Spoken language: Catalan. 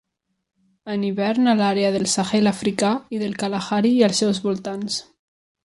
En hivern a l'àrea del Sahel africà i del Kalahari i els seus voltants.